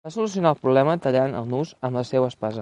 Va solucionar el problema tallant el nus amb la seua espasa.